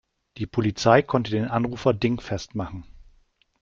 Die Polizei konnte den Anrufer dingfest machen.